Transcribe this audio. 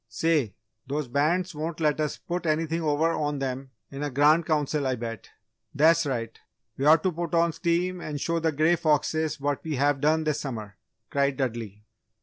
"Say, those Bands won't let us put anything over on them in a Grand Council, I bet!" "That's right! We ought to put on steam and show the Grey Foxes what we have done this summer!" cried Dudley.